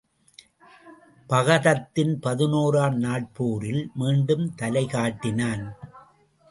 பகதத்தன் பதினோராம் நாட்போரில் மீண்டும் தலை காட்டினான்.